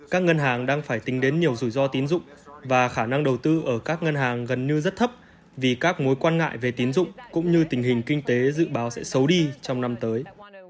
các ngân hàng đang phải tính đến nhiều rủi ro tín dụng và khả năng đầu tư ở các ngân hàng gần như rất thấp vì các mối quan ngại về tín dụng cũng như tình hình kinh tế dự báo sẽ xấu đi trong năm tới